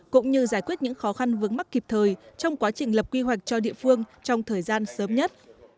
cũng như giải quyết những khó khăn vướng mắt kịp thời trong quá trình lập quy hoạch cho địa phương trong thời gian sớm nhất